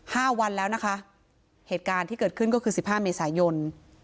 ห้าวันแล้วนะคะเหตุการณ์ที่เกิดขึ้นก็คือสิบห้าเมษายน